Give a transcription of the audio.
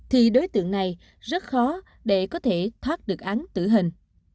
thì đối tượng này rất khó để có thể thoát được án tử hình